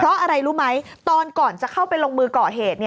เพราะอะไรรู้ไหมตอนก่อนจะเข้าไปลงมือก่อเหตุ